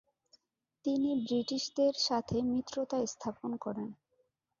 তিনি ব্রিটিশদের সাথে মিত্রতা স্থাপন করেন।